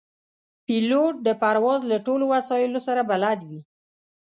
پیلوټ د پرواز له ټولو وسایلو سره بلد وي.